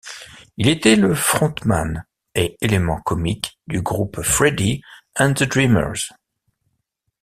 Il était le frontman et élément comique du groupe Freddie and the Dreamers.